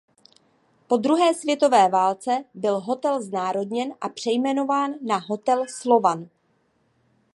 Po druhé světové válce byl hotel znárodněn a přejmenován na "Hotel Slovan".